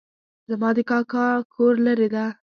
زما د کاکا کور لرې ده